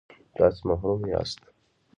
تاسې محترم یاست.